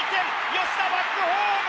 吉田バックホーム！